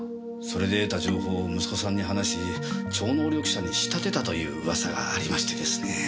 それで得た情報を息子さんに話し超能力者に仕立てたという噂がありましてですねえ。